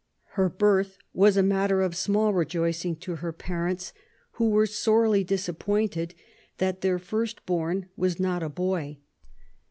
Her birth was a matter of small rejoicing to her parents, who were sorely disappointed that their first born was not a boy.